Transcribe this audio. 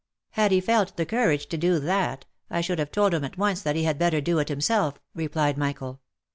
had he felt courage to do that, I should have told him at once, that he had better do it himself," replied Michael.